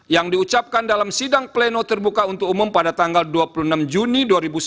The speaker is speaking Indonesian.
yang diucapkan dalam sidang pleno terbuka untuk umum pada tanggal dua puluh enam juni dua ribu sembilan belas